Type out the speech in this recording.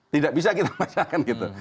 tidak bisa kita bacakan gitu